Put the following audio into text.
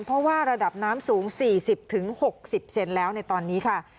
เพราะว่าระดับน้ำสูง๔๐๖๐เซนแล้วในตอนนี้ค่ะ